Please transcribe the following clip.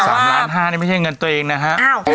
สามล้านห้านี่ไม่ใช่เงินตัวเองนะฮะ